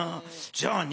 じゃあね